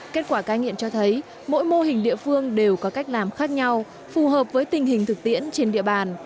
kết quả cai nghiện cho thấy mỗi mô hình địa phương đều có cách làm khác nhau phù hợp với tình hình thực tiễn trên địa bàn